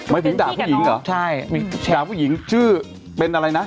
หมายถึงด่าผู้หญิงเหรอใช่มีด่าผู้หญิงชื่อเป็นอะไรนะ